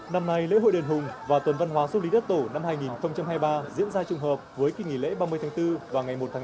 năm nay lễ hội đền hùng và tuần văn hóa du lịch lý đất tổ năm hai nghìn hai mươi ba diễn ra trùng hợp với kỳ nghỉ lễ ba mươi tháng bốn và ngày một tháng bốn